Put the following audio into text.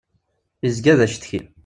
Izga d acetki.